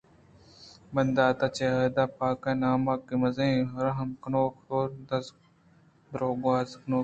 بندات چہ هُدا پاک ءِ نام ءَ کہ مزنیں رهم کنوک ءُ درگْوز کنوکے